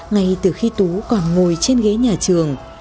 ngay từ khi tú còn ngồi trên ghế nhà trường